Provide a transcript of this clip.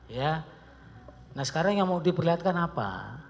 ya nah sekarang yang mau diperlihatkan apa